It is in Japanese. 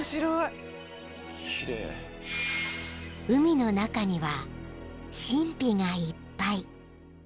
［海の中には神秘がいっぱい］